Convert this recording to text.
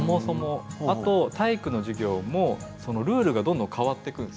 体育の授業もルールがどんどん変わっていくんです。